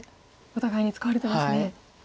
お互いに使われてますね。